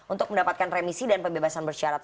untuk mendapatkan remisi dan pembebasan bersyarat